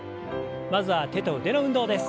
まずは手と腕の運動です。